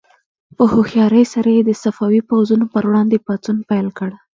په هوښیارۍ سره یې د صفوي پوځونو پر وړاندې پاڅون پیل کړ.